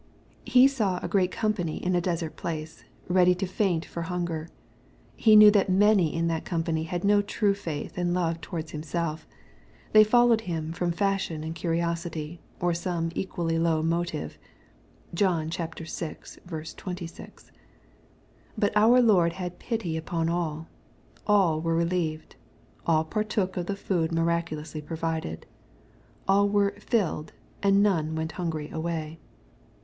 He saw a great company in a desert place, ready to faint for hunger. He knew that many in that company had no true faith and love towards Himself. They fol lowed Him from fashion and curiosity, or some equally low motive. (John vi. 26.) But our Lord had pity upon alL All were relieved. All partook of the food miraculously provided. All were "filled," and none went hungry away.